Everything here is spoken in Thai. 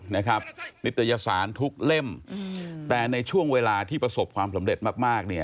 นิตยสารทุกเล่มแต่ในช่วงเวลาที่ประสบความสำเร็จมากเนี่ย